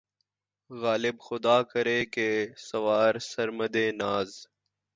غالبؔ! خدا کرے کہ‘ سوارِ سمندِ ناز